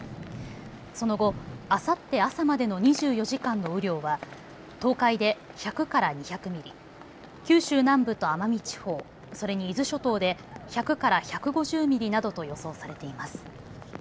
その後、あさって朝までの２４時間の雨量は東海で１００から２００ミリ、九州南部と奄美地方、それに伊豆諸島で１００から１５０ミリなどと予想されています。